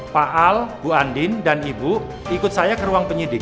pak al bu andin dan ibu ikut saya ke ruang penyidik